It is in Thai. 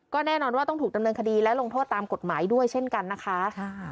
ก็แน่นอนว่าต้องถูกดำเนินคดีและลงโทษตามกฎหมายด้วยเช่นกันนะคะ